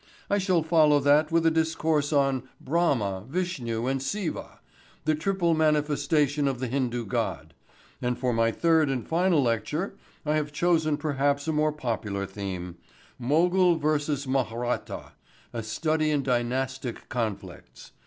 I shall follow that with a discourse on 'Brahma, Vishnu and Siva—The Triple Manifestation of the Hindu God' and for my third and final lecture I have chosen perhaps a more popular theme—'Mogul versus Mahratta—A Study in Dynastic Conflicts.